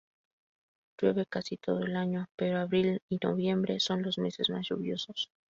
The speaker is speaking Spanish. Llueve casi todo el año, pero abril y noviembre son los meses más lluviosos.